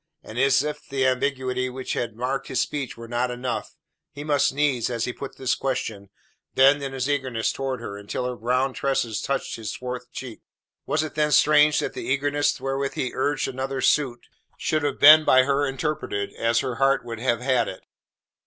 And as if the ambiguity which had marked his speech were not enough, he must needs, as he put this question, bend in his eagerness towards her until her brown tresses touched his swart cheek. Was it then strange that the eagerness wherewith he urged another's suit should have been by her interpreted as her heart would have had it?